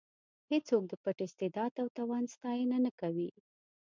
هېڅوک د پټ استعداد او توان ستاینه نه کوي.